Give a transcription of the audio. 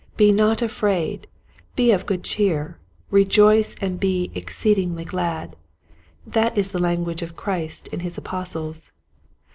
" Be not afraid." " Be of good cheer." <* Rejoice and be exceeding glad." This is the lan guage of Christ and his apostles.